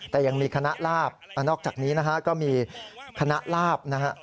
แต่ยังมีคณะลาบนอกจากนี้นะฮะก็มีคณะลาบนะฮะ